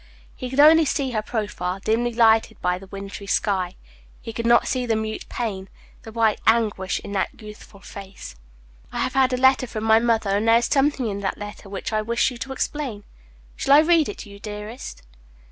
He could only see her profile, dimly lighted by the wintry sky. He could not see the mute pain, the white anguish in that youthful face. "I have had a letter from my mother, and there is something in that letter which I wish you to explain. Shall I read it to you, dearest?"